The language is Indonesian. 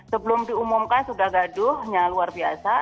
sebelum diumumkan sudah gaduhnya luar biasa